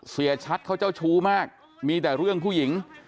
เสียชัดเขาเจ้าชู้มากมีแต่เรื่องผู้หญิง